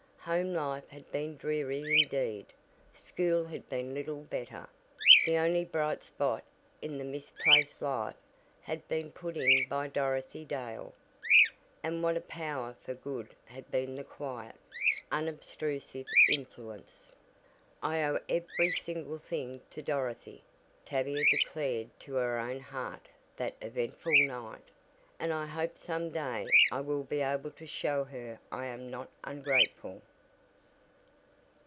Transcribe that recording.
Home life had been dreary indeed, school had been little better, the only bright spot in the misplaced life had been put in by Dorothy Dale. And what a power for good had been the quiet, unobtrusive influence! "I owe every single thing to Dorothy," Tavia declared to her own heart that eventful night, "and I hope some day I will be able to show her I am not ungrateful."